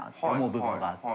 部分があって。